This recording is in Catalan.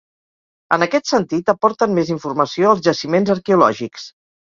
En aquest sentit, aporten més informació els jaciments arqueològics.